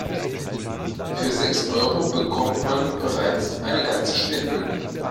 Für sechs Euro bekommt man bereits eine ganze Spindel.